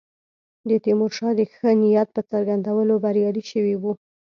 د تیمورشاه د ښه نیت په څرګندولو بریالي شوي وو.